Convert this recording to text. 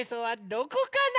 どこかな？